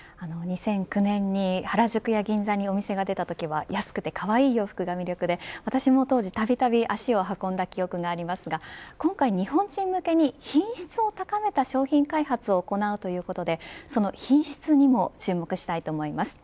２００９年に原宿や銀座に、お店が出たときは安くてかわいい洋服が魅力で、私もたびたび足を運んだ記憶がありますが今回、日本人向けに品質を高めた商品開発を行うということでその品質にも注目したいと思います。